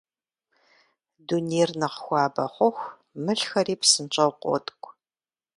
Дунейр нэхъ хуабэ хъуху, мылхэри псынщӀэу къоткӀу.